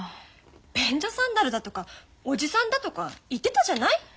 便所サンダルだとかおじさんだとか言ってたじゃない？